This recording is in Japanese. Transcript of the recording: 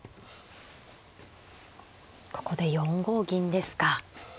ここで４五銀ですか。